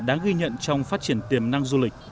đáng ghi nhận trong phát triển tiềm năng du lịch